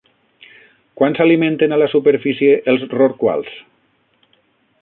Quan s'alimenten a la superfície els rorquals?